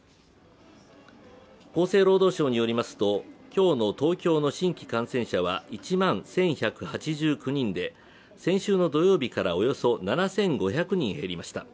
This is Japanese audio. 厚生労働省によりますと今日の東京の新規感染者数は１万１１８９人で、先週の土曜日からおよそ７５００人減りました。